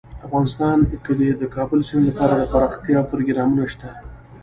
افغانستان کې د د کابل سیند لپاره دپرمختیا پروګرامونه شته.